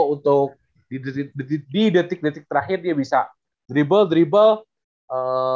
untuk di detik detik terakhir dia bisa drible dribble